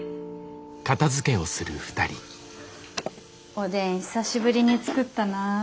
おでん久しぶりに作ったなあ。